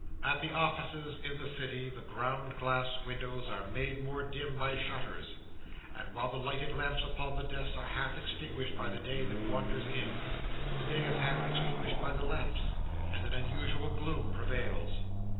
At the offices in the City, the ground glass windows are made more dim by shutters; and while the lighted lamps upon the desks are half extinguished by the day that wanders in, the day is half extinguished by the lamps, and an unusual gloom prevails.